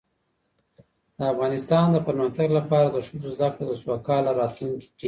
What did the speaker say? د افغانستان د پرمختګ لپاره د ښځو زدهکړه د سوکاله راتلونکي کیلي ده.